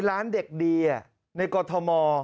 ร้านเด็กดีในกรทม